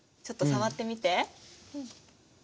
ちょっと触ってみて。